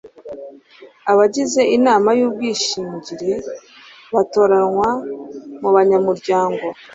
abagize inama y'ubwishingire batoranywa mu banyamuryango